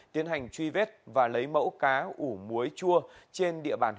tiến hành truy vết và lấy mẫu cá ủ muối chua trên địa bàn